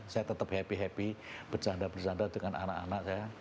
saya tetap happy happy bercanda bercanda dengan anak anak saya